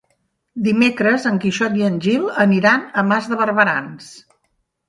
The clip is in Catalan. Dimecres en Quixot i en Gil aniran a Mas de Barberans.